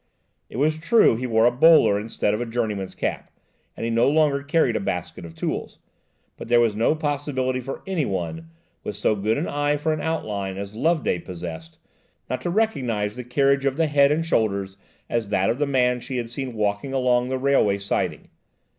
It was true he wore a bowler instead of a journeyman's cap, and he no longer carried a basket of tools, but there was no possibility for anyone, with so good an eye for an outline as Loveday possessed, not to recognize the carriage of the head and shoulders as that of the man she had seen walking along the railway siding.